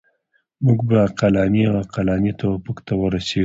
موږ به عقلاني او عقلایي توافق ته ورسیږو.